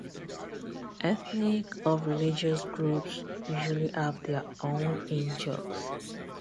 Ethnic or religious groups usually have their own in-jokes.